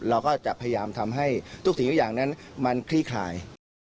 เราก็จะพยายามทำให้ทุกอย่างนั้นมันคลี่ขาย